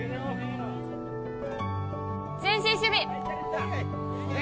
前進守備！ぜ